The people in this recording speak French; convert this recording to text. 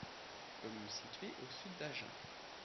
Commune située au sud d'Agen.